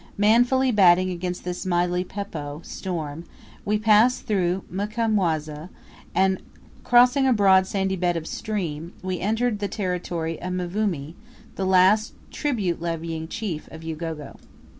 Manfully battling against this mighty "peppo" storm we passed through Mukamwa's, and crossing a broad sandy bed of a stream, we entered the territory of Mvumi, the last tribute levying chief of Ugogo.